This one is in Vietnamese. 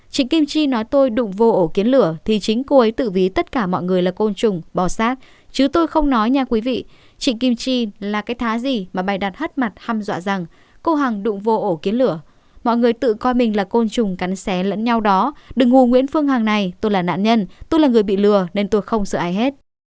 chị kim chi nói tôi đụng vô ổ kiến lửa thì chính cô ấy tự ví tất cả mọi người là côn trùng bò sát chứ tôi không nói nhà quý vị chị kim chi là cái thá gì mà bày đặt hắt mặt hăm dọa rằng cô hằng đụng vô ổ kiến lửa mọi người tự coi mình là côn trùng cắn xé lẫn nhau đó đừng ngù nguyễn phương hằng này tôi là nạn nhân tôi là người bị lừa nên tôi không sợ ai hết